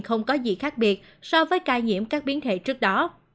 không có gì khác biệt so với ca nhiễm các biến thể trước đó